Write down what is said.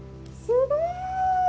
すごい！